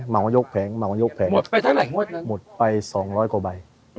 เมาส์ยกแผงเมาส์ยกแผงหมดไปเท่าไหร่งวดนึงหมดไปสองร้อยกว่าใบ